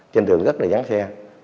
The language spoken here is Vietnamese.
trên đường rất là vắng xe